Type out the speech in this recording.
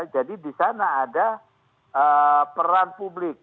jadi di sana ada peran publik